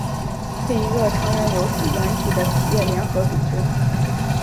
是一个成人游戏软体的企业联合组织。